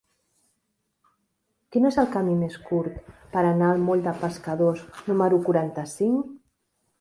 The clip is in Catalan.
Quin és el camí més curt per anar al moll de Pescadors número quaranta-cinc?